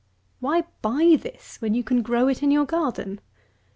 Why buy this, when you can grow it in your garden?